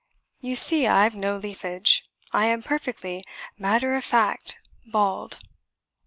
You see I've no leafage, I am perfectly matter of fact, bald."